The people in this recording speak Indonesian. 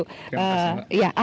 terima kasih mbak